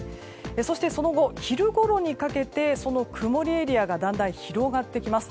そして、その後昼ごろにかけて曇りエリアがだんだん広がってきます。